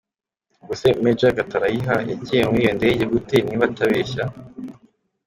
Ubwo se Major Gatarayiha yagiye muri iyo ndege gute niba atabeshya?